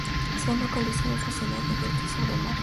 Se han localizado docenas de deltas sobre Marte.